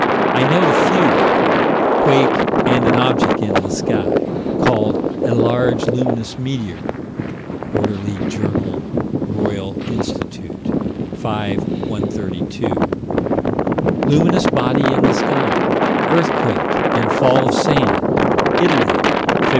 I note a few quake and an object in the sky, called "a large, luminous meteor" (Quar. Jour. Roy. Inst., 5 132); luminous body in the sky, earthquake, and fall of sand, Italy, Feb.